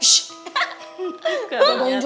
ini bukan rumahnya boy ya